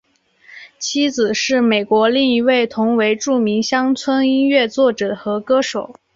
妻子是美国另一位同为著名乡村音乐作者和歌手。